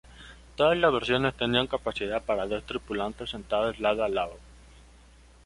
Todas las versiones tenían capacidad para dos tripulantes sentados lado a lado.